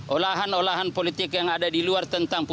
olahan olahan politik yang ada di luar tentang politik